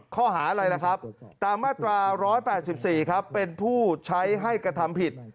ข้อหาอะไรล่ะครับตามมาตรา๑๘๔ครับเป็นผู้ใช้ให้กระทำผิด